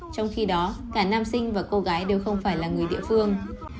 trong khi đó cả nam sinh và cô gái đều không phải là người địa phương